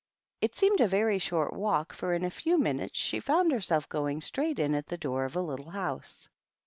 It seemed a very short walk, for in a few minutes she found herself going straight in at the door of a little house.